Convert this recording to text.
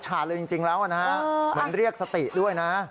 เหมือนเรียกสติด้วยนะ